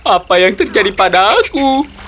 apa yang terjadi pada aku